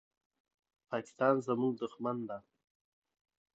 پاکستان زموږ دښمن ده.